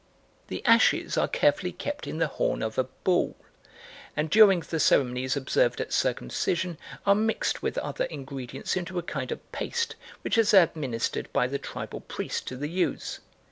The ashes are carefully kept in the horn of a bull, and, during the ceremonies observed at circumcision, are mixed with other ingredients into a kind of paste, which is administered by the tribal priest to the youths.